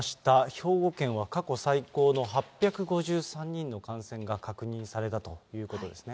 兵庫県は過去最高の８５３人の感染が確認されたということですね。